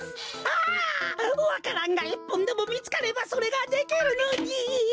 ああわか蘭がいっぽんでもみつかればそれができるのに。